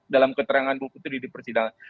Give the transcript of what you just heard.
dalam keterangan bu putri di persidangan